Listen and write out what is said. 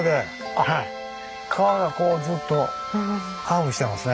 川がこうずっとカーブしてますね。